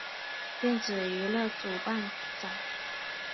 电子娱乐展主办。